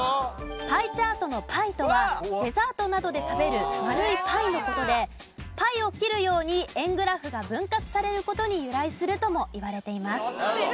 パイチャートの「パイ」とはデザートなどで食べる丸いパイの事でパイを切るように円グラフが分割される事に由来するともいわれています。